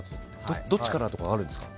どっちからとかあるんですか。